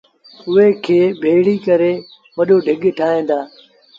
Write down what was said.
اُئي کي ڀيڙيٚ ڪري وڏو ڍڳ ٺائيٚݩ دآ۔